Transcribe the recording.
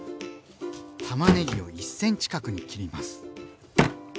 たまねぎを１ｃｍ角に切ります。